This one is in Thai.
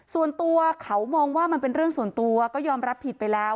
ส่วนตัวเขามองว่ามันเป็นเรื่องส่วนตัวก็ยอมรับผิดไปแล้ว